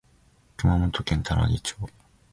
熊本県多良木町